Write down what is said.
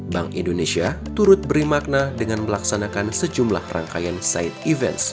bank indonesia turut beri makna dengan melaksanakan sejumlah rangkaian side events